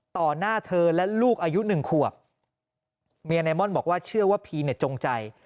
ต่อหน้าเธอและลูกอายุ๑ขวบเมียนายม่อนบอกว่าเชื่อว่าพีจงใจ